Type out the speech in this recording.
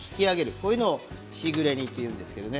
こういうのをしぐれ煮と言うんですけどね。